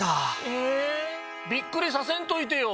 えびっくりさせんといてよ。